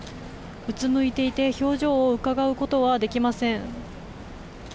うつむいていて表情をうかがうことはできません。